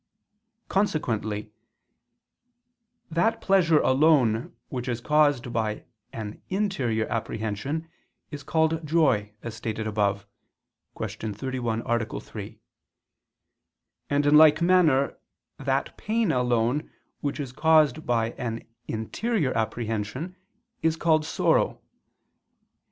Consequently that pleasure alone which is caused by an interior apprehension is called joy, as stated above (Q. 31, A. 3): and in like manner that pain alone which is caused by an interior apprehension, is called sorrow.